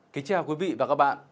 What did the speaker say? kính chào quý vị và các bạn